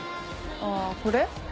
ああこれ？